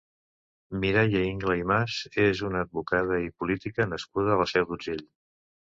Mireia Ingla i Mas és una advocada i política nascuda a la Seu d'Urgell.